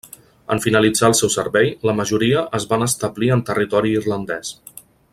En finalitzar el seu servei, la majoria es van establir en territori irlandès.